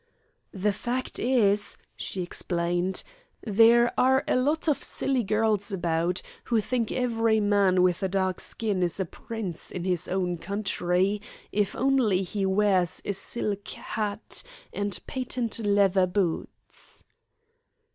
"The fact is," she explained, "there are a lot of silly girls about who think every man with a dark skin is a prince in his own country if only he wears a silk hat and patent leather boots."